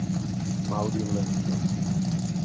Maurilândia